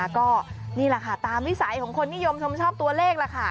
ก็นี่แหละค่ะตามวิสัยของคนนิยมชมชอบตัวเลขล่ะค่ะ